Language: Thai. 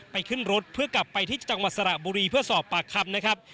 ขึ้นรถเพื่อกลับไปที่จังหวัดสระบุรีเพื่อสอบปากคำนะครับ